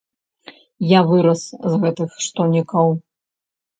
Я вырас з гэтых штонікаў.